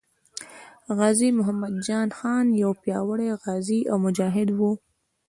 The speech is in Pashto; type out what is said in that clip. غازي محمد جان خان یو پیاوړی غازي او مجاهد وو.